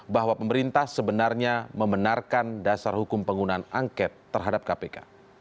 bahwa pemerintah sebenarnya membenarkan dasar hukum penggunaan angket terhadap kpk